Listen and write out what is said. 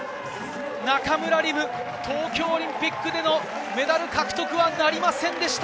中村輪夢、東京オリンピックでのメダル獲得はなりませんでした。